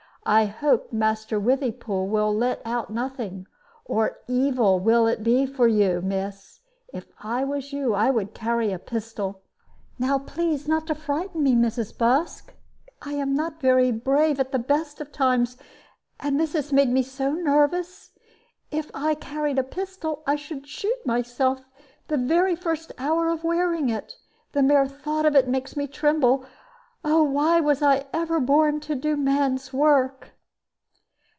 I hope Master Withypool will let out nothing, or evil it will be for you, miss. If I was you, I would carry a pistol." "Now please not to frighten me, Mrs. Busk. I am not very brave at the best of times, and this has made me so nervous. If I carried a pistol, I should shoot myself the very first hour of wearing it. The mere thought of it makes me tremble. Oh, why was I ever born, to do man's work?"